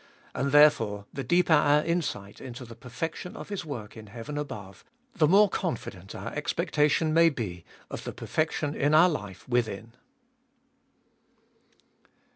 And, therefore, the deeper our insight into the perfection of His work in heaven above, the more confident our expectation may be of the perfection in our life within.